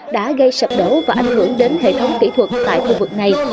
đã gây sập đổ và ảnh hưởng đến hệ thống kỹ thuật tại khu vực này